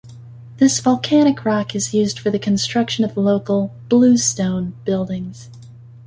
This volcanic rock is used for the construction of local "bluestone" buildings.